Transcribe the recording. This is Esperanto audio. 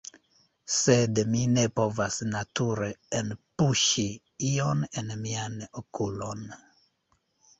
Sed mi ne povas nature enpuŝi ion en mian okulon